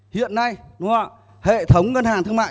hiện nay đúng không ạ hệ thống ngân hàng thương mại